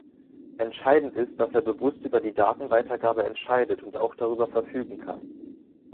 Entscheidend ist, dass er bewusst über die Datenweitergabe entscheidet und auch darüber verfügen kann.